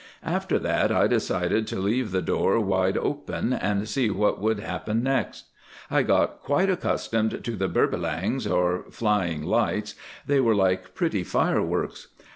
After that I decided to leave the door wide open and see what would happen next. I got quite accustomed to the 'Burbilangs' or flying lights—they were like pretty fireworks.